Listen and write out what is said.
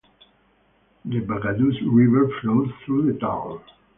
The Bagaduce River flows through the town.